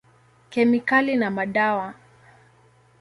Kemikali na madawa.